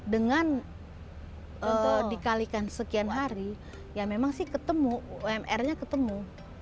dengan dikalikan sekian hari ya memang sih ketemu umr nya ketemu